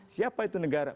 siapa itu negara